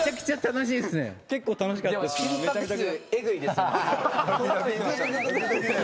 結構楽しかったですね。